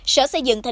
sở xây dựng tp hcm